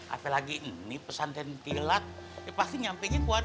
apel lagi ini pesantren kilat ya pasti nyampe nya warga kaya kilat